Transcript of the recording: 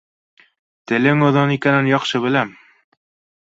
Телең оҙон икәнен яҡшы беләм.